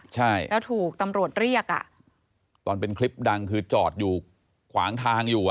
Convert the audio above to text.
ใช่แล้วถูกตำรวจเรียกอ่ะตอนเป็นคลิปดังคือจอดอยู่ขวางทางอยู่อ่ะ